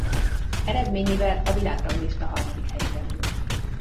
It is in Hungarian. Eredményével a világranglista harmadik helyére ugrott.